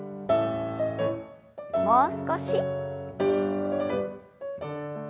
もう少し。